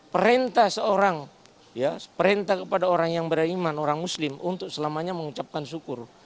perintah seorang perintah kepada orang yang beriman orang muslim untuk selamanya mengucapkan syukur